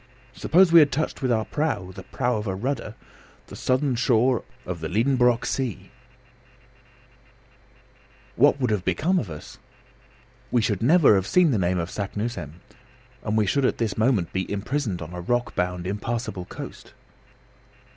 Suppose we had touched with our prow (the prow of a rudder!) the southern shore of the Liedenbrock sea, what would have become of us? We should never have seen the name of Saknussemm, and we should at this moment be imprisoned on a rockbound, impassable coast."